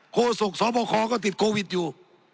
โศกสบคก็ติดโควิดอยู่